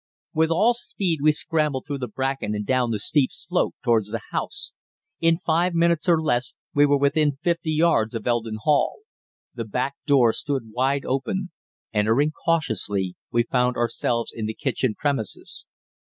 With all speed we scrambled through the bracken and down the steep slope towards the house. In five minutes or less we were within fifty yards of Eldon Hall. The back door stood wide open. Entering cautiously, we found ourselves in the kitchen premises.